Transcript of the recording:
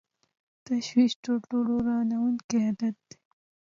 تشویش تر ټولو ورانوونکی عادت دی.